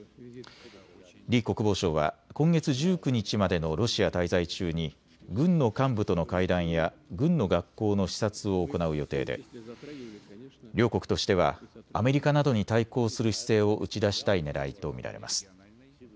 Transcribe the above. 李国防相は今月１９日までのロシア滞在中に軍の幹部との会談や軍の学校の視察を行う予定で両国としてはアメリカなどに対抗する姿勢を打ち出したいねらいと見られます。